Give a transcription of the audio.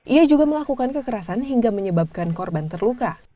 ia juga melakukan kekerasan hingga menyebabkan korban terluka